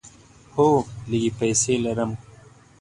هو، لږې پیسې لرم